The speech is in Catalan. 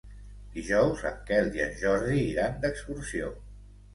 Dijous en Quel i en Jordi iran d'excursió.